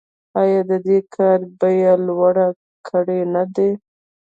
آیا دې کار بیې لوړې کړې نه دي؟